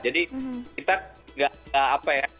jadi kita gak apa ya